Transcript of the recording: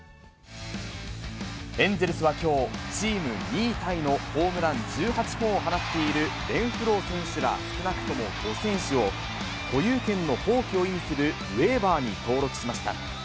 エンゼルスはきょう、チーム２位タイのホームラン１８本を放っているレンフロー選手ら少なくとも５選手を、保有権の放棄を意味するウエーバーに登録しました。